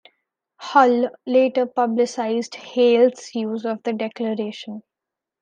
Hull later publicized Hale's use of the declaration.